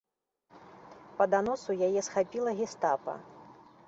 Па даносу яе схапіла гестапа.